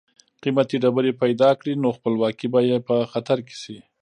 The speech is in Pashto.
قیمتي ډبرې پیدا کړي نو خپلواکي به یې په خطر کې شي.